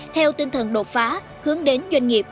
theo tinh thần đột phá hướng đến doanh nghiệp